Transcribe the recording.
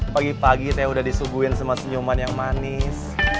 pagi pagi saya udah disuguhin sama senyuman yang manis